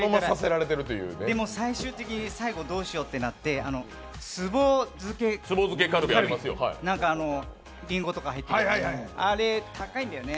最終的に最後どうしようってなって、つぼ漬けカルビ、りんごとか入ってるやつ、あれ高いんだよね。